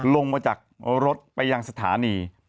ลงมาจากรถไปยังสถานี